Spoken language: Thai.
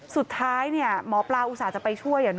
สุดท้ายหมอปลาอุตส่าห์จะไปช่วย